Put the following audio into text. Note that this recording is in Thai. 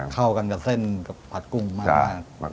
เข้ากันกับเส้นกับผัดกุ้งมาก